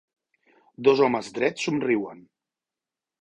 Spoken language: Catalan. Dos homes drets somriuen.